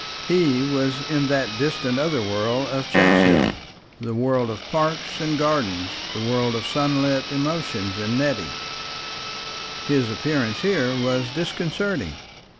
He was in that distant other world of Checkshill, the world of parks and gardens, the world of sunlit emotions and Nettie. His appearance here was disconcerting.